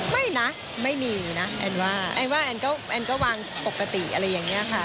ไม่นะไม่มีนะแอนว่าแอนว่าแอนก็แอนก็วางปกติอะไรอย่างนี้ค่ะ